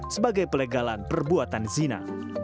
sebagai pelegalan perbuatan zina